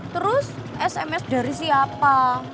terus sms dari siapa